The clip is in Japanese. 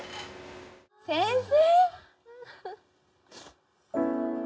先生！